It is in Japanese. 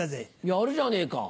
やるじゃねえか。